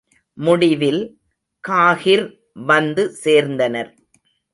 முடிவில் காஹிர் வந்து சேர்ந்தனர்.